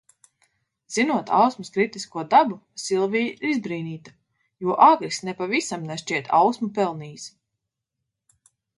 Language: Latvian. Zinot Ausmas kritisko dabu, Silvija ir izbrīnīta, jo Agris nepavisam nešķiet Ausmu pelnījis.